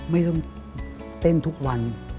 ไม่ต้องเต้นทุกวัน